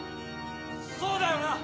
そうだよな！